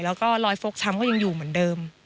แล้วก็รอยฟกช้ำก็ยังอยู่เหมือนเดิม